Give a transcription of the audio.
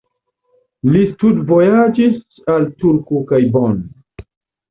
Li studvojaĝis al Turku kaj Bonn.